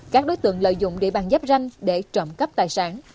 các đối tượng lợi dụng địa bàn giáp ranh để trộm cắp tài sản